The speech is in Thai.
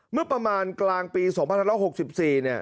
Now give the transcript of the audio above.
เมื่อประมาณกลางปี๒๑๖๔เนี่ย